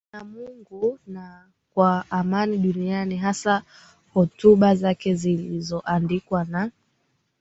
na Mungu na kwa amani duniani Hasa hotuba zake zilizoandikwa na